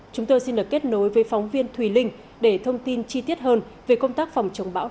chúng tôi xin được kết nối với phóng viên thùy linh để thông tin chi tiết hơn về công tác phòng chống bão